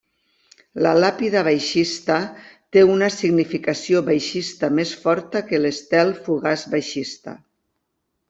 La làpida baixista té una significació baixista més forta que l'Estel fugaç baixista.